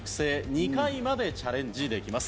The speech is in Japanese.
２回までチャレンジできます。